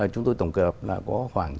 chúng tôi tổng cập là có khoảng chín